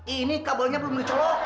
ini kabelnya belum dicolokin